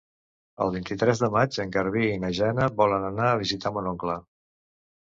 El vint-i-tres de maig en Garbí i na Jana volen anar a visitar mon oncle.